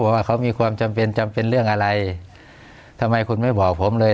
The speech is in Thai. ว่าเขามีความจำเป็นจำเป็นเรื่องอะไรทำไมคุณไม่บอกผมเลย